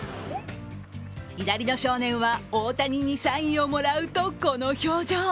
左の少年は大谷にサインをもらうと、この表情。